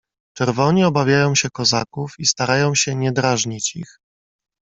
"Czerwoni obawiają się kozaków i starają się nie drażnić ich."